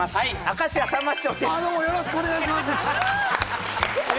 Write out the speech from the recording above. あどうもよろしくお願いします